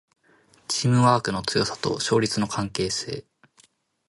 チームワークの強さと勝率の関係性